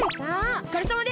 おつかれさまです！